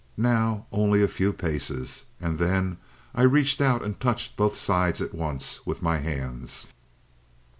Now only a few paces and then I reached out and touched both sides at once with my hands.